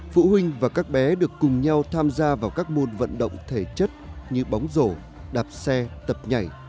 phụ huynh và các bé được cùng nhau tham gia vào các môn vận động thể chất như bóng rổ đạp xe tập nhảy